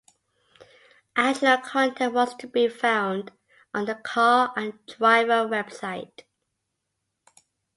Additional content was to be found on the Car and Driver website.